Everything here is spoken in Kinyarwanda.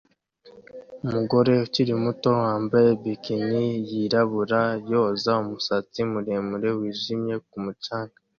Umugore ukiri muto wambaye bikini yirabura yoza umusatsi muremure wijimye ku mucanga